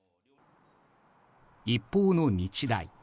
一方の日大。